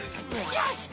よし！